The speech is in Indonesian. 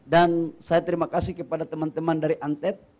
dan saya terima kasih kepada teman teman dari antet